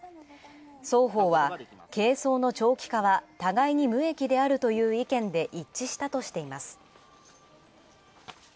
双方は係争の長期化は互いに無益であるという意見で一致したとしています。